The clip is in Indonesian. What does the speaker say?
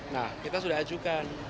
nah kita sudah ajukan